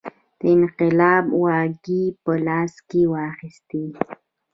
د انقلاب واګې په لاس کې واخیستې.